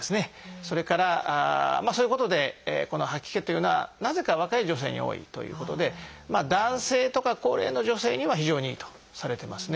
それからまあそういうことでこの吐き気というのはなぜか若い女性に多いということで男性とか高齢の女性には非常にいいとされてますね。